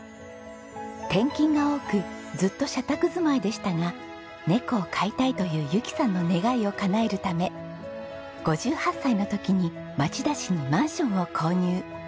転勤が多くずっと社宅住まいでしたがネコを飼いたいという由紀さんの願いをかなえるため５８歳の時に町田市にマンションを購入。